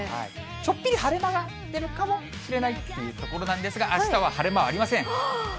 ちょっぴり晴れ間が出るかもしれないというところなんですが、あしたは晴れ間ありません。